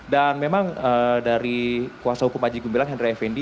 dan memang dari kuasa hukum panji gumilang hendry fnd